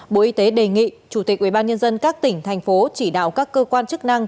bộ y tế đề nghị chủ tịch ubnd các tỉnh thành phố chỉ đạo các cơ quan chức năng